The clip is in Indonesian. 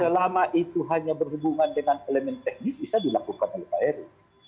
selama itu hanya berhubungan dengan elemen teknis bisa dilakukan oleh pak heru